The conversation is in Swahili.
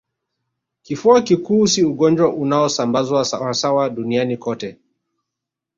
Kifua kikuu si ugonjwa unaosambazwa sawasawa duniani kote